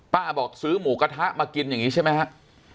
บอกซื้อหมูกระทะมากินอย่างนี้ใช่ไหมครับ